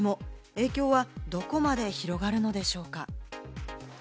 影響はどこまで広がるのでしょうか？